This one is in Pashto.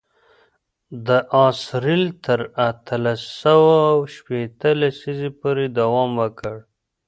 د آس رېل تر اتلس سوه شپېته لسیزې پورې دوام وکړ.